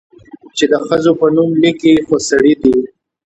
چې د ښځو په نوم ليکي، خو سړي دي؟